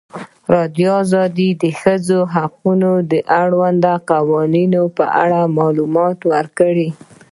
ازادي راډیو د د ښځو حقونه د اړونده قوانینو په اړه معلومات ورکړي.